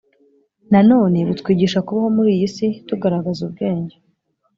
Nanone butwigisha kubaho muri iyi si tugaragaza ubwenge